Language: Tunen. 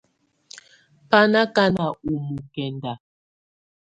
Bá nɔ ákana ɔ mɔkɛnda.